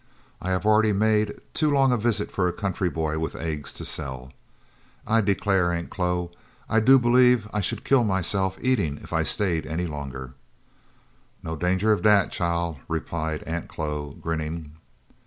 "I have already made too long a visit for a country boy with eggs to sell. I declare, Aunt Chloe, I do believe I should kill myself eating if I stayed any longer." "No danger of dat, chile," replied Aunt Chloe, grinning.